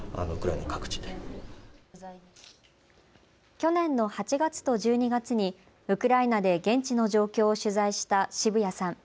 去年の８月と１２月にウクライナで現地の状況を取材した渋谷さん。